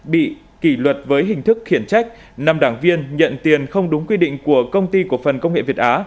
bị kỷ luật với hình thức khiển trách năm đảng viên nhận tiền không đúng quy định của công ty cổ phần công nghệ việt á